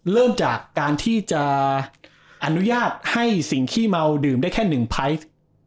เริ่มจากการที่จะอนุญาตให้สิ่งขี้เมาดื่มได้แค่๑ไพรส์